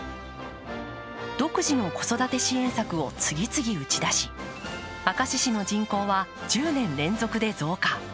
独自の子育て支援策を次々打ち出し、明石市の人口は１０年連続で増加。